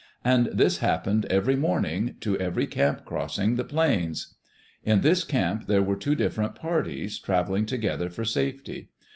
And this happened every morn ing, to every camp crossing the plains. In this camp there were two different parties, traveling together for safety.